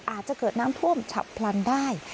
อาจจะเกิดน้ำท่วมฉับพลันได้